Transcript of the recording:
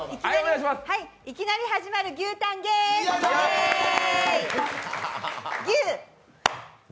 いきなり始まる牛タンゲーム、イエーイ。